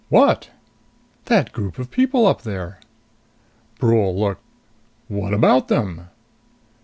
"What?" "That group of people up there!" Brule looked. "What about them?"